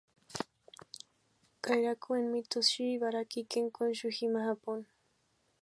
Kairaku-en, Mito-shi, Ibaraki-ken, Honshu-jima, Japón.